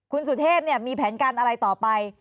คุณสุเทพมีแผนการอะไรต่อไป